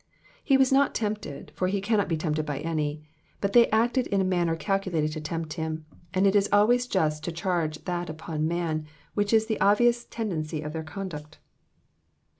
'*^ He was not tempted, for he cannot be tempted by any, but they acted in a manner calculated to tempt him, and it is always just to charge that upon men which is the obvious tendency of their conduct.